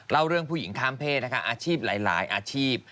เล่าเรื่องผู้หญิงข้ามเพศนะคะอาชีพหลายอาชีพ